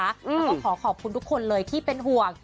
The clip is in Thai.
แล้วก็ขอขอบคุณทุกคนเลยที่เป็นห่วง